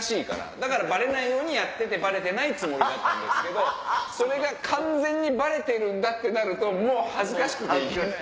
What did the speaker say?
だからバレないようにやっててバレてないつもりだったけどそれが完全にバレてるってなるともう恥ずかしくて行けない。